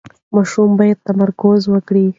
ماشومان باید تمرکز وکړي.